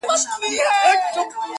سرومال به مو تر مېني قرباني کړه٫